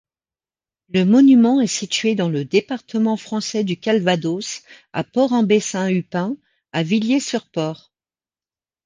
Le monument est situé dans le département français du Calvados, à Port-en-Bessin-Huppain, à Villiers-sur-Port.